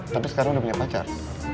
tapi sekarang udah punya pacar